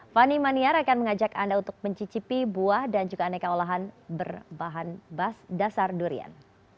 fani maniar akan mengajak anda untuk mencicipi buah dan juga aneka olahan berbahan bas dasar durian